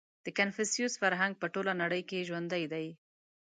• د کنفوسیوس فرهنګ په ټوله نړۍ کې ژوندی دی.